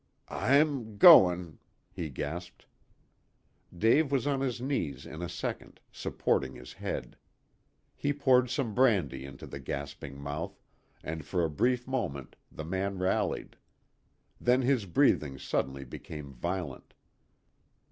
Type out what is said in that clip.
"I'm goin'," he gasped. Dave was on his knees in a second, supporting his head. He poured some brandy into the gasping mouth, and for a brief moment the man rallied. Then his breathing suddenly became violent.